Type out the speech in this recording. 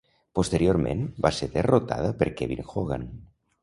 Posteriorment va ser derrotada per Kevin Hogan.